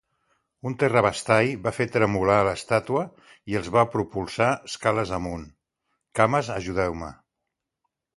Un terrabastall va fer tremolar l'estàtua i els va propulsar escales amunt, cames ajudeu-me.